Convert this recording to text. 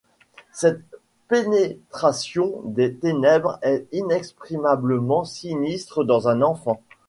Cette pénétration des ténèbres est inexprimablement sinistre dans un enfant.